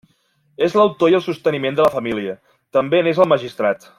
És l'autor i el sosteniment de la família; també n'és el magistrat.